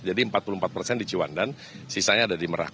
jadi empat puluh empat persen di ciwandan sisanya ada di merak